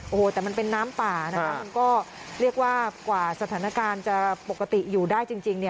โอ้โหแต่มันเป็นน้ำป่านะคะมันก็เรียกว่ากว่าสถานการณ์จะปกติอยู่ได้จริง